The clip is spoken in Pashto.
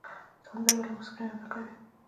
سندره له موسیقۍ نه ډکه وي